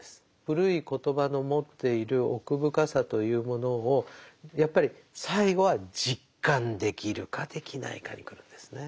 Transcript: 古い言葉の持っている奥深さというものをやっぱり最後は実感できるかできないかにくるんですね。